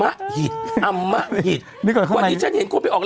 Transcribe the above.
หิตอำมะหิตวันนี้ฉันเห็นคนไปออก